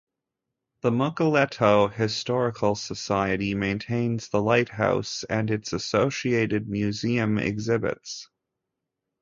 The Mukilteo Historical Society maintains the lighthouse and its associated museum exhibits.